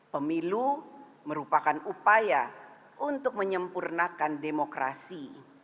pemilu merupakan upaya untuk menyempurnakan demokrasi